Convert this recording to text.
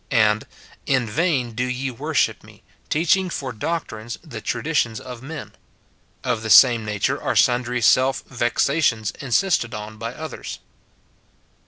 and, "In vain do ye wor ship me, teaching for doctrines the traditions of men." Of the same nature are sundry self vexations insisted on by others.